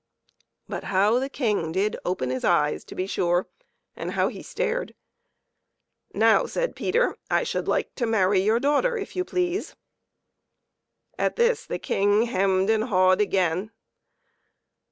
But how the King did open his eyes, to be sure, and how he stared !" Now," said Peter, " I should like to marry your daughter, if you please." At this the King hemmed and hawed again.